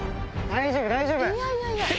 大丈夫、大丈夫。